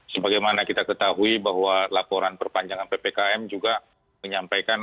sebagaimana kita ketahui bahwa laporan perpanjangan ppkm juga menyampaikan